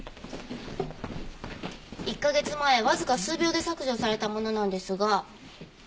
１カ月前わずか数秒で削除されたものなんですが。